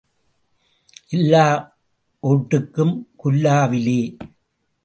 எல்லா ஓட்டும் குல்லாவிலே.